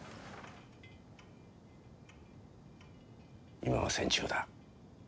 今は戦中だ。